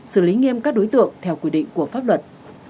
xử lý nghiêm các đối tượng theo quy định của pháp luật